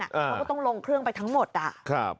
เขาก็ต้องลงเครื่องไปทั้งหมดอ่ะ